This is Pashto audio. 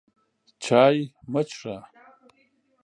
چای مه څښه!